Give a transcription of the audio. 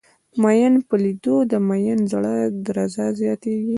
د ميئن په لېدو د ميئن د زړه درزه زياتېږي.